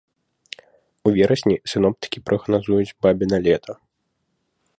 У верасні сіноптыкі прагназуюць бабіна лета.